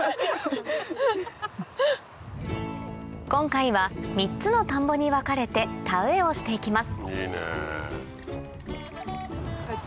今回は３つの田んぼに分かれて田植えをしていきます